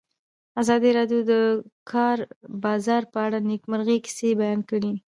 ازادي راډیو د د کار بازار په اړه د نېکمرغۍ کیسې بیان کړې.